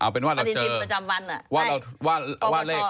อ๋อเป็นว่าแล้วจะเจอ